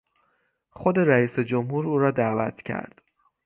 خود رییس جمهور او را دعوت کرد.